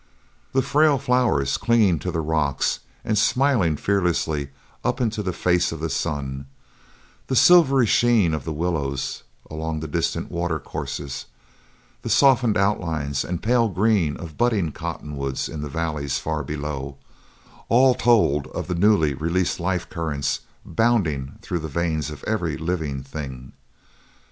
The frail flowers, clinging to the rocks and smiling fearlessly up into the face of the sun, the silvery sheen of the willows along the distant water courses, the softened outlines and pale green of budding cottonwoods in the valleys far below, all told of the newly released life currents bounding through the veins of every living thing.